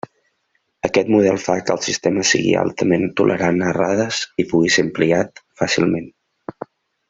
Aquest model fa que el sistema sigui altament tolerant a errades i pugui ser ampliat fàcilment.